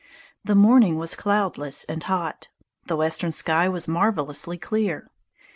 The morning was cloudless and hot. The western sky was marvelously clear.